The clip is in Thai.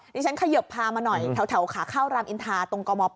ที่ฉันเขยิบพามาหน่อยแถวขาเข้ารามอินทาตรงกม๘